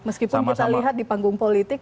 meskipun kita lihat di panggung politik